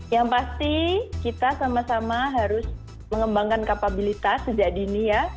yang pasti kita sama sama harus mengembangkan kapabilitas sejak dini ya